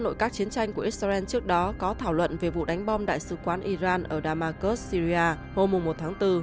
trong một chiến tranh của israel trước đó có thảo luận về vụ đánh bom đại sứ quán iran ở damascus syria hôm một tháng bốn